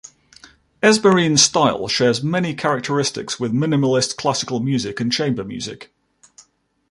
Esmerine's style shares many characteristics with minimalist classical music and chamber music.